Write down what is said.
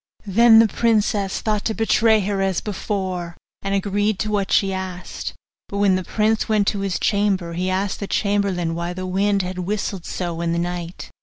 Then the princess thought to betray her as before, and agreed to what she asked: but when the prince went to his chamber he asked the chamberlain why the wind had whistled so in the night.